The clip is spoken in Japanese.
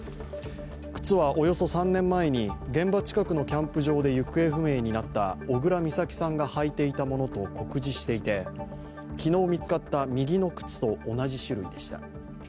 靴はおよそ３年前に現場近くのキャンプ場で行方不明になった小倉美咲さんが履いていたものと酷似していて、昨日見つかった右の靴と同じ種類でした。